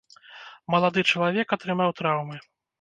Малады чалавек атрымаў траўмы.